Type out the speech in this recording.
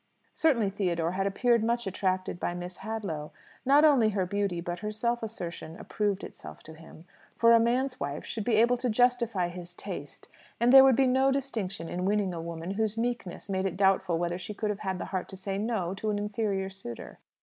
Certainly Theodore had appeared much attracted by Miss Hadlow. Not only her beauty but her self assertion approved itself to him; for a man's wife should be able to justify his taste; and there would be no distinction in winning a woman whose meekness made it doubtful whether she could have had the heart to say "No" to an inferior suitor.